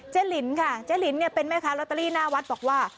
เจ๊หลินค่ะเจ๊หลินเป็นไหมคะลอตเตอรี่หน้าวัดบอกว่า